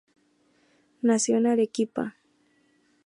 Nació en Arequipa.